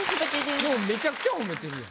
でもめちゃくちゃ褒めてるよ。